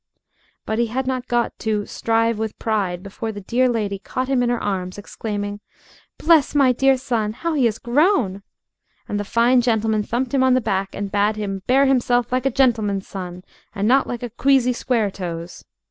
But he had not got to "strive with pride" before the dear lady caught him in her arms, exclaiming, "Bless my dear son! how he has grown!" and the fine gentleman thumped him on the back, and bade him "bear himself like a gentleman's son, and not like a queasy square toes."